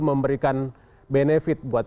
memberikan benefit buat